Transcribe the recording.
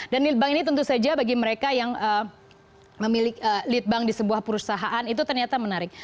dan lead bank ini tentu saja bagi mereka yang memiliki lead bank di sebuah perusahaan itu ternyata menarik